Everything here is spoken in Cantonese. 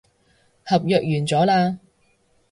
合約完咗喇